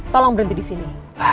tolong berhenti disini